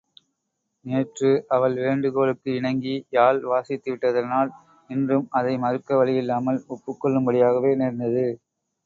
நேற்று அவள் வேண்டுகோளுக்கு இணங்கி யாழ் வாசித்துவிட்டதனால் இன்றும் அதை மறுக்க வழியில்லாமல் ஒப்புக் கொள்ளும்படியாகவே நேர்ந்தது.